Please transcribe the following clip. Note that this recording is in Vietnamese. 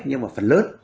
nhưng mà phần lớn